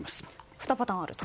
２パターンあると。